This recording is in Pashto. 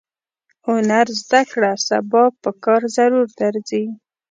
هنر زده کړه سبا پکار ضرور درځي.